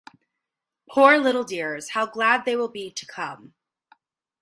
Poor little dears, how glad they will be to come.